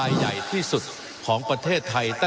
ว่าการกระทรวงบาทไทยนะครับ